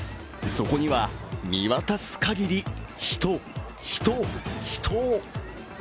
そこには見渡すかぎり人、人、人！